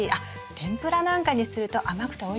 天ぷらなんかにすると甘くておいしいんですよ。